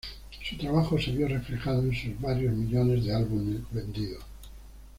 Su trabajo se vio reflejado en sus varios millones de álbumes vendidos.